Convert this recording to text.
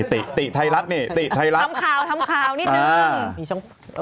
ติ้ไทยรัฐหนึ่ง